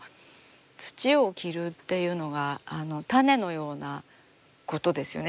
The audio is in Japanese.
土を着るっていうのが種のようなことですよね。